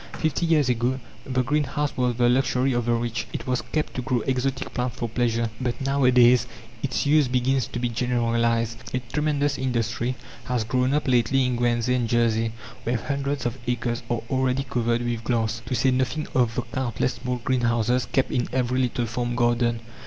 Fifty years ago the greenhouse was the luxury of the rich. It was kept to grow exotic plants for pleasure. But nowadays its use begins to be generalized. A tremendous industry has grown up lately in Guernsey and Jersey, where hundreds of acres are already covered with glass to say nothing of the countless small greenhouses kept in every little farm garden.